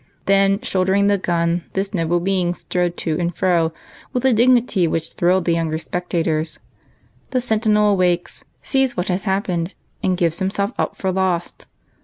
A HAPPY BIRTHDAY. 161 Then, shouldering the gun, this noble being strode to and fro with a dignity which thrilled the younger spectators. The sentinel awakes, sees what has hap pened, and gives himself up for lost.